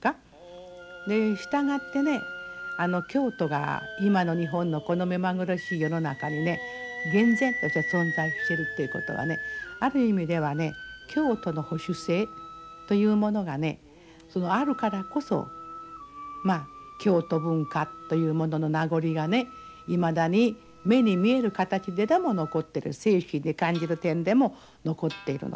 従って京都が今の日本のこの目まぐるしい世の中に厳然として存在してるということはねある意味ではね京都の保守性というものがあるからこそ京都文化というものの名残がいまだに目に見える形ででも残ってる精神に感じる点でも残っているので。